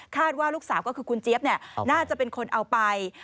ว่าลูกสาวก็คือคุณเจี๊ยบน่าจะเป็นคนเอาไป